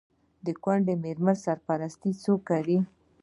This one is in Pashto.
د کونډو میرمنو سرپرستي څوک کوي؟